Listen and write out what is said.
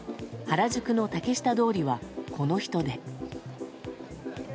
原宿の竹下通りはこの人出。